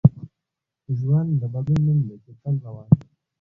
ژوند د بدلون نوم دی چي تل روان وي.